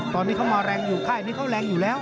ตอนนี้เขามาแรงอยู่ค่ายนี้เขาแรงอยู่แล้ว